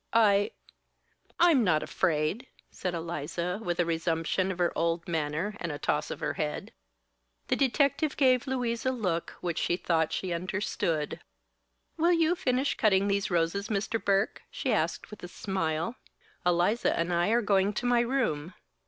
"I I'm not afraid," said Eliza, with a resumption of her old manner and a toss of her head. The detective gave Louise a look which she thought she understood. "Will you finish cutting these roses, Mr. Burke?" she asked, with a smile. "Eliza and I are going to my room.